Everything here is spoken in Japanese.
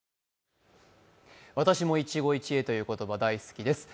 私も一期一会という言葉、大好きです。